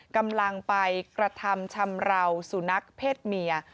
กำลังไปกระทำชำราวสุนัขเพศเมีย